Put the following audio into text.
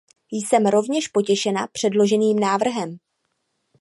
Jsem rovněž potěšena předloženým návrhem.